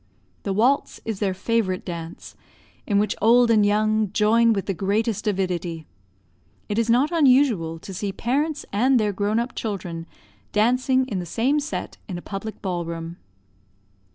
The waltz is their favorite dance, in which old and young join with the greatest avidity; it is not unusual to see parents and their grown up children dancing in the same set in a public ball room.